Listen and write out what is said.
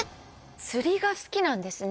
釣りが好きなんですね